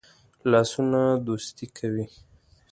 لاسونه دوستی کوي